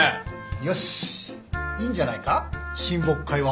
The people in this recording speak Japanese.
よしいいんじゃないか親睦会はお泊まり会で。